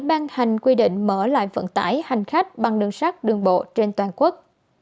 ban hành quy định mở lại vận tải hành khách bằng đường sắt đường bộ trên toàn quốc